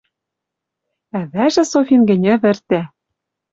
Ӓвӓжӹ Софин гӹнь ӹвӹртӓ